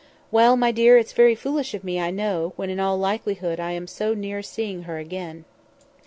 "Well, my dear, it's very foolish of me, I know, when in all likelihood I am so near seeing her again.